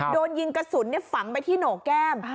โดนยิงกระสุนฝังไปที่โหนกแก้ม